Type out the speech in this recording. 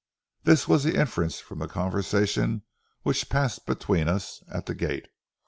This was the inference from the conversation which passed between us at the gate.